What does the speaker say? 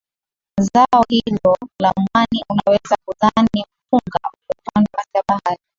Zao hilo la mwani unaweza kudhani ni mpunga uliopandwa katika bahari